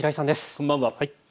こんばんは。